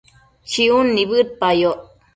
chiun nibëdpayoc